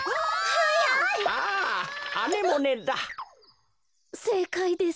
はっせいかいです。